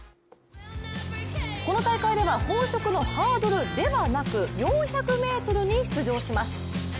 この大会では本職のハードルではなく、４００ｍに出場します。